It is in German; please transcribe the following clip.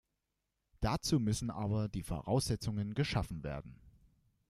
Dazu müssen aber die Voraussetzungen geschaffen werden.